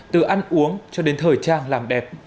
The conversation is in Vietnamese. từ ăn uống cho đến thời trang làm đẹp